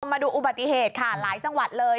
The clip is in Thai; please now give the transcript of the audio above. มาดูอุบัติเหตุค่ะหลายจังหวัดเลย